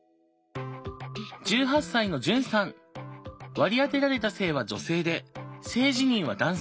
割り当てられた性は「女性」で性自認は「男性」。